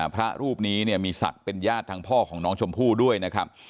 พระรูปนี้เนี่ยมีศักดิ์เป็นญาติทางพ่อของน้องชมพู่ด้วยนะครับ